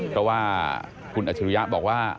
เพราะว่าคุณอัจฉริยะบอกว่า